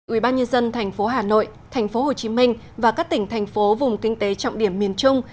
ủy ban nhân dân thành phố hà nội thành phố hồ chí minh và các tỉnh thành phố vùng kinh tế trọng điểm miền trung